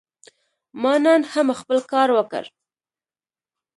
ما نن هم خپل کار وکړ.